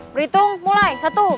berhitung mulai satu